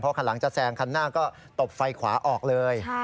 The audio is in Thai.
คันหลังจะแซงคันหน้าก็ตบไฟขวาออกเลย